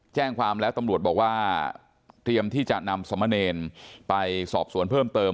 แจ้งความแล้วตำรวจบอกว่าเตรียมที่จะนำสมเนรไปสอบสวนเพิ่มเติม